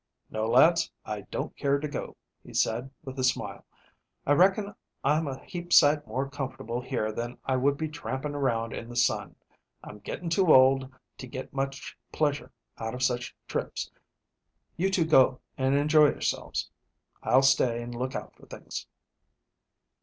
"No, lads, I don't care to go," he said, with a smile. "I reckon I'm a heap sight more comfortable here than I would be tramping around in the sun. I'm getting too old to get much pleasure out of such trips. You two go and enjoy yourselves. I'll stay and look out for things."